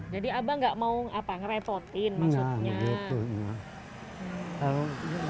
jadi abah enggak mau ngerepotin maksudnya